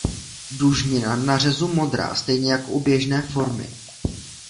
Dužnina na řezu modrá stejně jako u běžné formy.